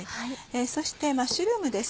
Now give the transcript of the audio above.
そしてマッシュルームです。